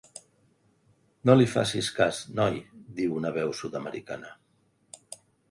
No li facis cas, noi —diu una veu sud-americana—.